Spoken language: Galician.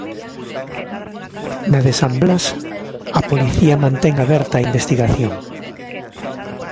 Na de San Blas, a policía mantén aberta a investigación.